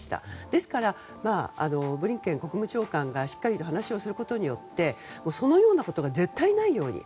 ですから、ブリンケン国務長官がしっかり話をすることによってそのようなことが絶対ないように